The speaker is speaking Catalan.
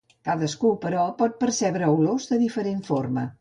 Cadascú, però, pot percebre olors de diferent forma.